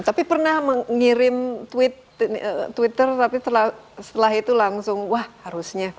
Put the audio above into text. tapi pernah mengirim tweet twitter tapi setelah itu langsung wah harusnya